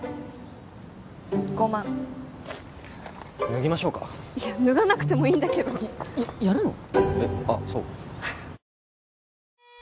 ５万脱ぎましょうかいや脱がなくてもいいんだけどえっやるの？